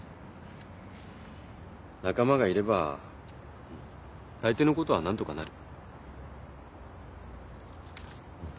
仲間がいれば大抵のことは何とかなる。